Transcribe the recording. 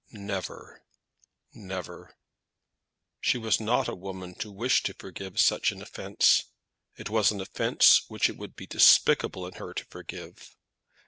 Never; never! She was not a woman to wish to forgive such an offence. It was an offence which it would be despicable in her to forgive.